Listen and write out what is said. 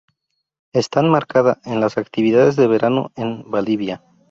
Está enmarcada en las actividades de verano en Valdivia.